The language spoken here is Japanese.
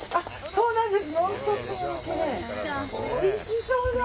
そうなんです。